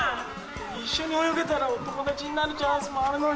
一緒に泳げたらお友達になるチャンスもあるのに。